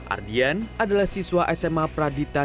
ardian adalah siswa sma pradita